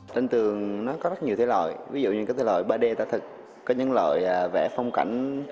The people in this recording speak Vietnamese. tranh tường nó có rất nhiều thể loại ví dụ như cái thể loại ba d ta thật có những loại vẽ phong cảnh